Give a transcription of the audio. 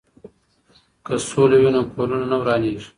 که سوله وي نو کورونه نه ورانیږي.